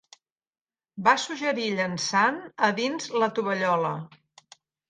Va suggerir llençant a dins la tovallola.